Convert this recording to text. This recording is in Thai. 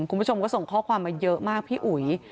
คุณผู้ชมก็ส่งข้อความมาเยอะมากพี่อุ๋ย